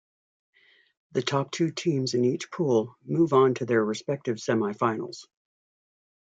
The top two teams in each pool move on to their respective semifinals.